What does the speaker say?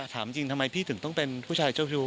ถามจริงทำไมพี่ถึงต้องเป็นผู้ชายเจ้าชู